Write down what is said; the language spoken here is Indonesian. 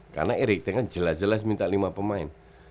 karena eritana jelas jelas minta lima pemain